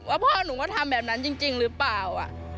พ่อหนูก็ทำแบบนั้นจริงหรือเปล่า